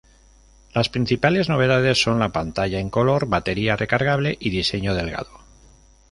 Las principales novedades son la pantalla en color, batería recargable y diseño delgado.